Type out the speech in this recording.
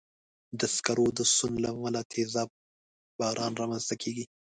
د سکرو د سون له امله تېزاب باران رامنځته کېږي.